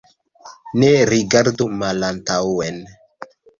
Ne rigardu malantaŭen.